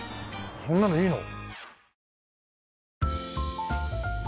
そんなのいいの？